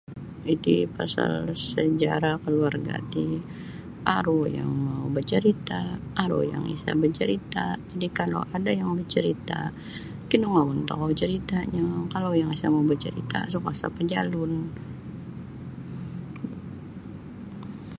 Iti pasal sejarah kaluarga' ti aru yang mau' bacarita' aru yang isa' bacarita' jadi' kalau ada yang bacarita' kinogouan tokou carita'nyo kalau yang isa' mau' bacarita' isa' kuasa' pajalun.